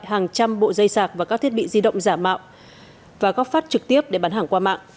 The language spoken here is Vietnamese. hàng trăm bộ dây sạc và các thiết bị di động giả mạo và góp phát trực tiếp để bán hàng qua mạng